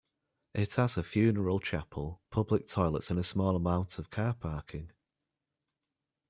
It has a funeral chapel, public toilets and a small amount of car parking.